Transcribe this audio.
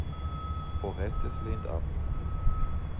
Orestes lehnt ab.